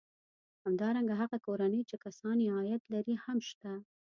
همدارنګه هغه کورنۍ چې کسان یې عاید لري هم شته